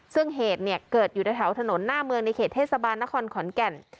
ซึ่งเหตุเนี่ยเกิดอยู่ในแถวถนนหน้าเมืองในเขตเทศบาลนครขอนแก่น